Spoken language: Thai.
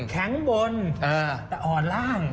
แข็งบนแต่อ่อนล่าง